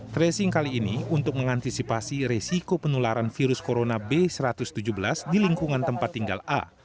tracing kali ini untuk mengantisipasi resiko penularan virus corona b satu ratus tujuh belas di lingkungan tempat tinggal a